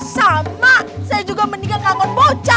sama saya juga mendingan kagon bocah